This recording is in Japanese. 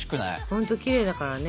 ほんときれいだからね。